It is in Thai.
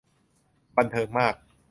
บันเทิงมาก